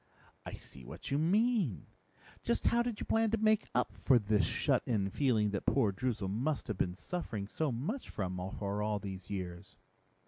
"I see what you mean. Just how did you plan to make up for this shut in feeling that poor Droozle must have been suffering so much from for all these years?"